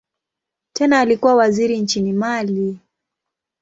Tena alikuwa waziri nchini Mali.